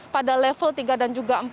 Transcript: pada level tiga dan juga empat